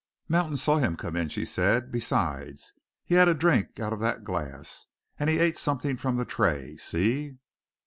"Mountain saw him come in," she said. "Besides, he had a drink out of that glass, and he ate something from the tray see!"